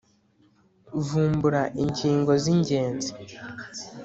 vumbura ingingo zi ngenzi